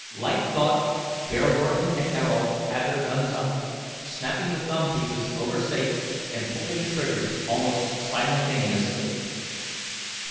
Like thought, Bearwarden and Ayrault had their guns up, snapping the thumb pieces over "safe" and pulling the triggers almost simultaneously.